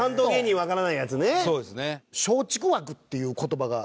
そうですね。